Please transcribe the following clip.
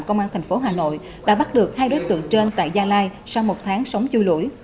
công an thành phố hà nội đã bắt được hai đối tượng trên tại gia lai sau một tháng sống chui lũ